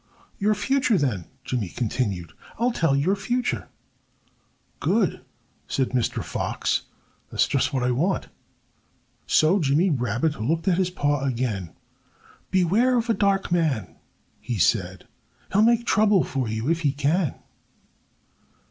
"Your future, then!" Jimmy continued. "I'll tell your future." "Good!" said Mr. Fox. "That's just what I want." So Jimmy Rabbit looked at his paw again. "Beware of a dark man!" he said. "He'll make trouble for you if he can."